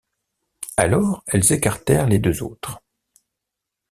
Alors, elles écartèrent les deux autres.